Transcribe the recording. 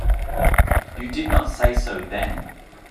You did not say so then.